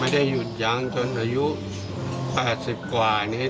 ได้หยุดยั้งจนอายุ๘๐กว่านี้